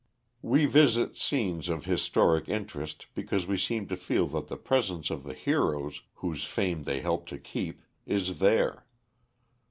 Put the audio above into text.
We visit scenes of historic interest, because we seem to feel that the presence of the heroes, whose fame they help to keep, is there.